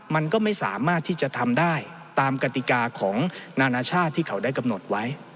มันก็ไม่สามารถที่จะทำได้ตามกติกาของนานาชาติที่เขาได้กำหนดไว้